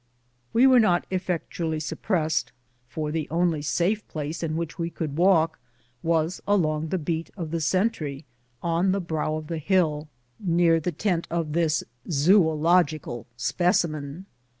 We were not effectually suppressed, for the only safe place in which we could walk was along the beat of the sentry, on the brow of the hill, near the tent of this zoological specimen.